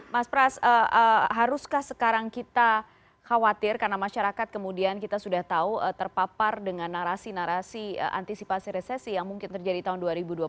mas pras haruskah sekarang kita khawatir karena masyarakat kemudian kita sudah tahu terpapar dengan narasi narasi antisipasi resesi yang mungkin terjadi tahun dua ribu dua puluh